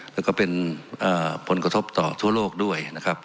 แล้วก็เป็นผลกระทบต่อทั่วโลกด้วยนะครับ